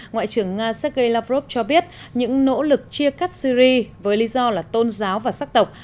ngoại trưởng nga sergei lavrov cho biết những nỗ lực chia cắt syri với lý do là tôn giáo và sắc tộc